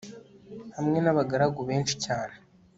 hamwe n'abagaragu benshi cyane